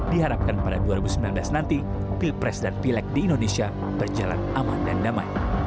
diharapkan pada dua ribu sembilan belas nanti pilpres dan pileg di indonesia berjalan aman dan damai